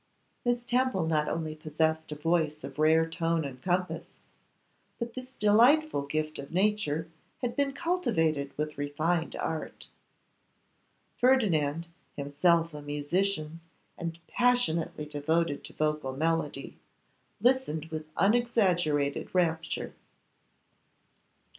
Miss Temple not only possessed a voice of rare tone and compass, but this delightful gift of nature had been cultivated with refined art. Ferdinand, himself a musician, and passionately devoted to vocal melody, listened with unexaggerated rapture.